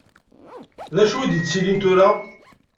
Dacu i d-yettilin tura?